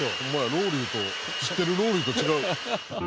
ロウリュと知ってるロウリュと違う。